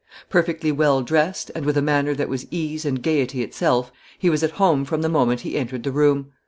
Perfectly well dressed, and with a manner that was ease and gaiety itself, he was at home from the moment he entered the room.